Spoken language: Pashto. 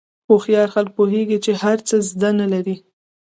هوښیار خلک پوهېږي چې هر څه زده نه لري.